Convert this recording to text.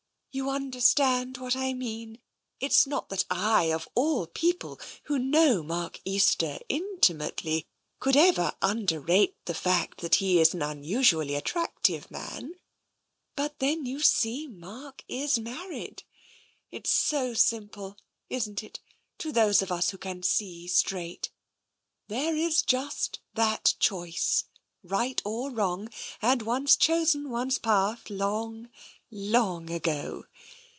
"You understand what I mean? It's not that I, of all people, who know Mark Easter intimately, could ever underrate the fact that he is an unusually attractive man. But then, you see — Mark is married. It's so simple, isn't it, to those of us who can see straight? There is just that choice — right or wrong — and one's chosen one's path long, long ago.